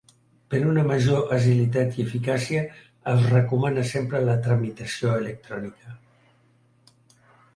Per una major agilitat i eficàcia es recomana sempre la tramitació electrònica.